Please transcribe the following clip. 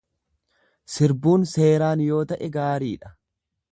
Sirbuun seeraan yoo ta'e gaariidha.